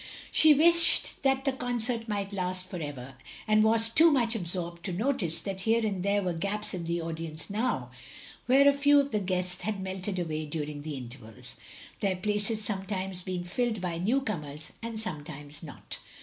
She wished that the concert might last for ever, and was too much absorbed to notice that here and there were gaps in the audience now, where a few of the guests had melted away during the intervals; their places sometimes being filled by newcomers, and sometimes not.